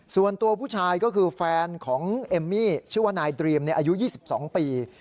ส่วนตัวผู้ชายก็คือแฟนของเอมมี่ชื่อว่านายดรีมอายุ๒๒ปี